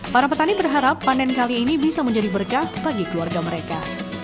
para petani berharap panen kali ini bisa menjadi berkah bagi keluarga mereka